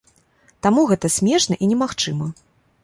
Таму гэта смешна і немагчыма.